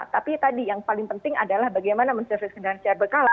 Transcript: tapi tadi yang paling penting adalah bagaimana mensurvei kendaraan secara berkala